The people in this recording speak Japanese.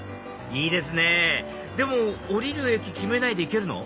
いいですねでも降りる駅決めないで行けるの？